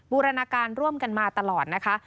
บูรณาการร่วมกันมาตลอดนะคะ